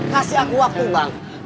kasih aku waktu bang